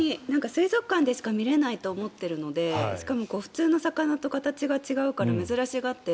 水族館でしか見れないと思っているのでしかも普通の魚と形が違うから珍しがって。